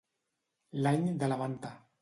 L'any de la manta.